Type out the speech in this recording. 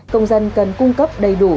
công dân cần cung cấp đầy đủ